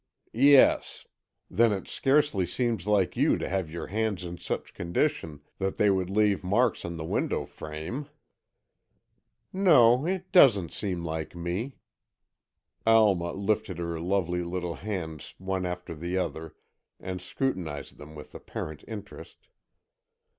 "Yes. Then it scarcely seems like you to have your hands in such condition that they would leave marks on the window frame." "No, it doesn't seem like me." Alma lifted her lovely little hands one after the other and scrutinized them with apparent interest.